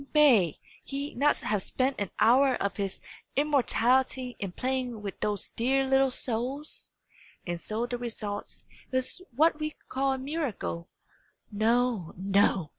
May he not have spent an hour of his immortality in playing with those dear little souls? and so the result is what we call a miracle. No, no!